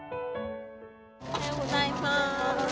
おはようございます。